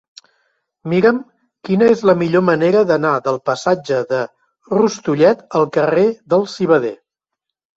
Mira'm quina és la millor manera d'anar del passatge de Rustullet al carrer del Civader.